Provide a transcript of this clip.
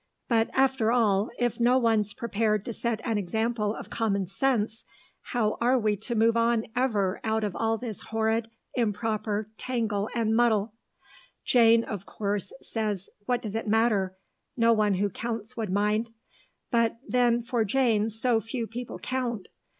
But after all, if no one's prepared to set an example of common sense, how are we to move on ever out of all this horrid, improper tangle and muddle? Jane, of course, says, what does it matter, no one who counts would mind; but then for Jane so few people count.